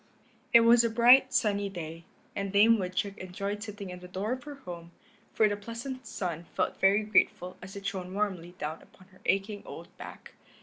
It was a bright, sunny day, and Dame Woodchuck enjoyed sitting in the door of her home, for the pleasant sun felt very grateful as it shone warmly down upon her aching old back.